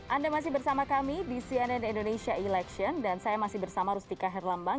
anda masih bersama kami di cnn indonesia election dan saya masih bersama rustika herlambang